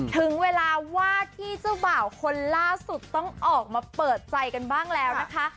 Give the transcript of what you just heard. ถึงเวลาวาดที่เจ้าบ่าวคนล่าสุดต้องออกมาเปิดใจกันบ้างแล้วนะคะ